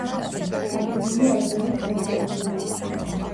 აგებული ადრეულ შუა საუკუნეებში.